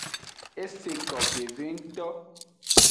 Eseko veve ngto.